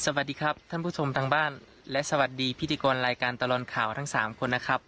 สวัสดีครับท่านผู้ชมทางบ้านและสวัสดีพิธีกรรายการตลอดข่าวทั้งสามคนนะครับ